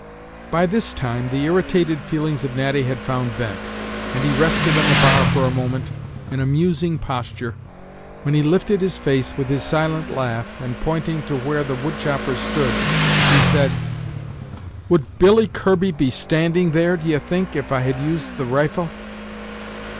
By this time the irritated feelings of Natty had found vent: and he rested on the bar for a moment, in a musing posture, when he lifted his face, with his silent laugh, and, pointing to where the wood chopper stood, he said: "Would Billy Kirby be standing there, d'ye think, if I had used the rifle?"